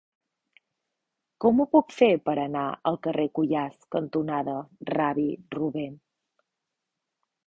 Com ho puc fer per anar al carrer Cuyàs cantonada Rabí Rubèn?